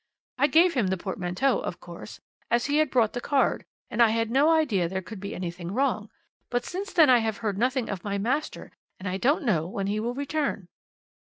I gave him the portmanteau, of course, as he had brought the card, and I had no idea there could be anything wrong; but since then I have heard nothing of my master, and I don't know when he will return.'